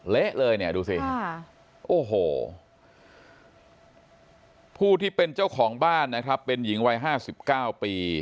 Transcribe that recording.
เละเลยเนี่ยดูสิโอ้โหผู้ที่เป็นเจ้าของบ้านนะครับเป็นหญิงวัย๕๙ปี